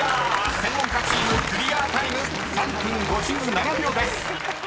専門家チームクリアタイム３分５７秒です］